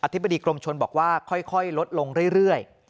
ธิบดีกรมชนบอกว่าค่อยลดลงเรื่อย